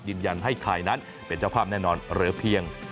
ยืนยันให้ไทยนั้นเป็นเจ้าภาพแน่นอนเหลือเพียง